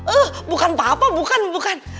eh bukan papa bukan bukan